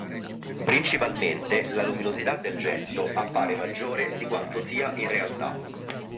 Principalmente la luminosità del getto appare maggiore di quanto sia in realtà.